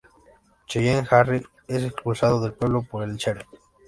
Cheyenne Harry es expulsado del pueblo por el "sheriff".